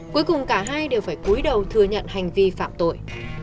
cuối cùng cả hai đều phải cuối đầu thừa nhận hành vi phạm tội